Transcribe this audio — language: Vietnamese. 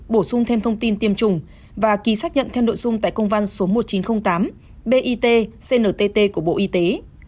bổ sung thêm thông tin tiêm chủng và ký xác nhận thêm nội dung tại công văn số một nghìn chín trăm linh tám bit cnt của bộ y tế